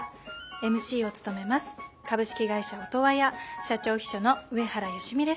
ＭＣを務めます株式会社オトワヤ社長秘書の上原芳美です。